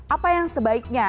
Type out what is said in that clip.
apa yang sebaiknya